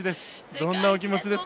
どんなお気持ちですか？